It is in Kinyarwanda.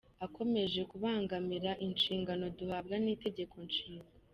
Akomeje kubangamira inshingano duhabwa n’Itegeko Nshinga.